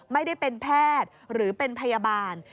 ไม่ได้เป็นแพทย์หรือเป็นพยาบาล